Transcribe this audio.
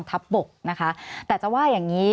สวัสดีครับทุกคน